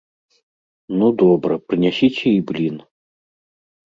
Ну добра, прынясіце і блін.